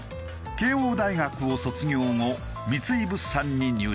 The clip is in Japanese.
慶応大学を卒業後三井物産に入社。